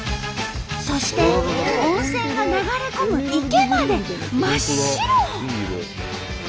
そして温泉が流れ込む池まで真っ白！